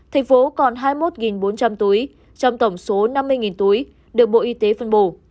thành phố còn hai mươi một bốn trăm linh túi trong tổng số năm mươi túi được bộ y tế phân bổ